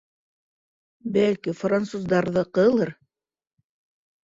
— Бәлки, француздарҙыҡылыр.